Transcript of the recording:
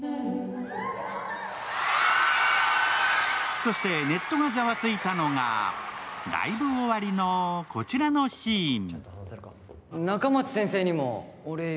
そしてネットがざわついたのがライブ終わりのこちらのシーン。